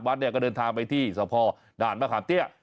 วัดเนี่ยก็เดินทางไปที่สะพอด่านมหาดเตี้ย